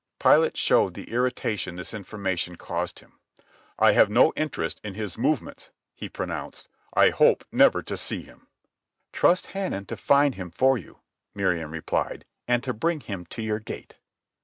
Pilate showed the irritation this information caused him. "I have no interest in his movements," he pronounced. "I hope never to see him." "Trust Hanan to find him for you," Miriam replied, "and to bring him to your gate."